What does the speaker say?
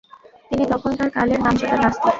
তিনি তখনকার কালের নামজাদা নাস্তিক।